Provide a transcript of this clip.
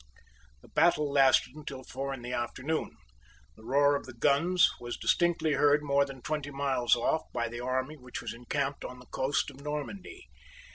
The battle lasted till four in the afternoon. The roar of the guns was distinctly heard more than twenty miles off by the army which was encamped on the coast of Normandy.